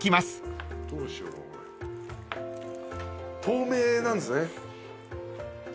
透明なんですね。